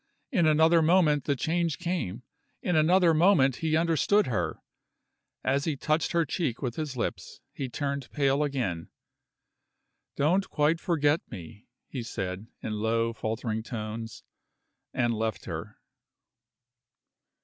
In another moment the change came; in another moment he understood her. As he touched her cheek with his lips, he turned pale again. "Don't quite forget me," he said, in low, faltering tones and left her.